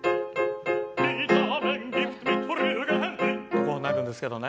こうなるんですけどね。